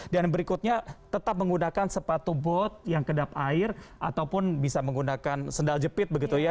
dan berikutnya tetap menggunakan sepatu bot yang kedap air ataupun bisa menggunakan sendal jepit begitu ya